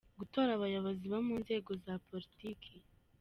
Gutora abayobozi bo mu nzego za politiki .